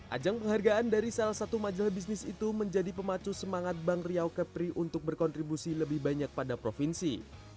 ajang penghargaan dari salah satu majalah bisnis itu menjadi pemacu semangat bank riau kepri untuk berkontribusi lebih banyak pada provinsi